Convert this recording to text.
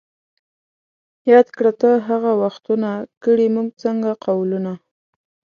یاد کړه ته هغه وختونه ـ کړي موږ څنګه قولونه